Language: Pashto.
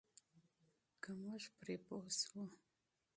که موږ پرې پوه شو.